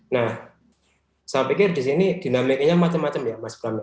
nah saya pikir di sini dinamikanya macam macam ya mas pram